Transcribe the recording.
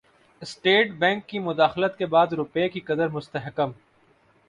state bank کی مداخلت کے بعد روپے کی قدر مستحکم